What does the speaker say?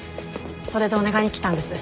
それでお願いに来たんです。